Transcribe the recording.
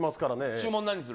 注文、何にする？